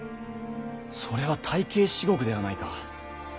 それは大慶至極ではないか。